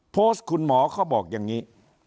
โพสต์คุณหมอเขาบอกอย่างนี้